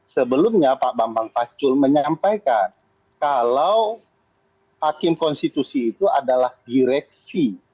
sebelumnya pak bambang pacul menyampaikan kalau hakim konstitusi itu adalah direksi